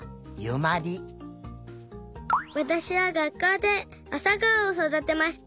わたしは学校であさがおをそだてました。